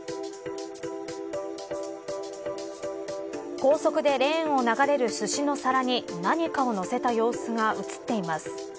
高速でレーンを流れるすしの皿に何かを載せた様子が映っています。